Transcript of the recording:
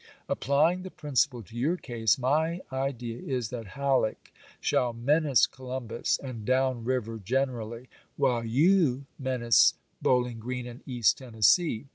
Apply ing the principle to your case, my idea is that HaUeck shall menace Columbus and "down river" generally, while you menace Bowling Green and East Tennessee.